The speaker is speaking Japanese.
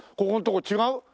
ここのとこ違う？